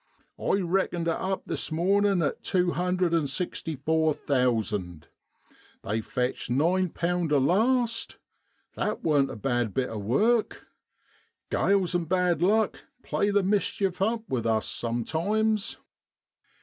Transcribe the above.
I reck ened it up this mornin' at tew hundred an' sixty four thousand ! they fetched 9 a last; that warn't a bad bit of work. Grales an' bad luck play the mischief up with us sometimes.